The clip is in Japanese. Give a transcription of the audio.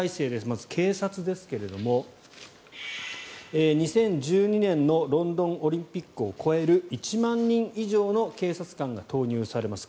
まず警察ですけれども２０１２年のロンドンオリンピックを超える１万人以上の警察官が投入されます。